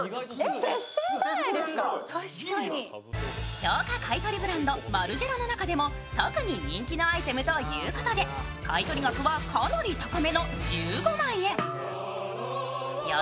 強化買い取りブランド、マルジェラの中でも特に人気のアイテムということで買い取り額はかなり高めの１５万円。